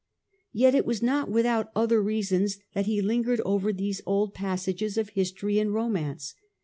Yet it was not without other reasons that he lingered over these old passages of history and romance.